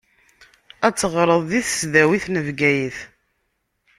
Ad teɣṛeḍ di tesdawit n Bgayet.